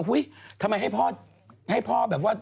ทำไมให้พ่อแบบว่า